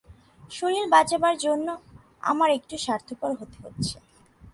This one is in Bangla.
শরীর বাঁচাবার জন্য আমায় একটু স্বার্থপর হতে হচ্ছে।